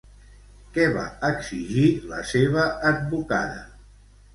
Què va exigir la seva advocada?